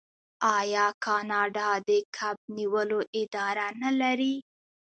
آیا کاناډا د کب نیولو اداره نلري؟